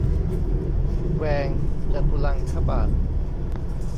แวงจตุลังคบาท